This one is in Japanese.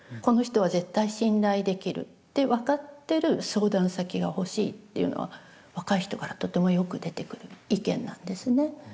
この人は絶対信頼できるって分かってる相談先が欲しいっていうのは若い人からとてもよく出てくる意見なんですね。